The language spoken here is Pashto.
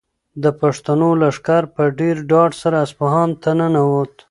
د پښتنو لښکر په ډېر ډاډ سره اصفهان ته ننووت.